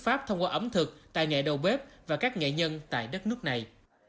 pháp thông qua ẩm thực tài nghệ đầu bếp và các nghệ nhân tại đất nước này